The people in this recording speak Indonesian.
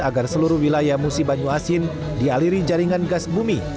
agar seluruh wilayah musi banyu asin dialiri jaringan gas bumi